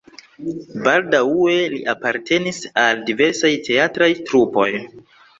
Baldaŭe li apartenis al diversaj teatraj trupoj.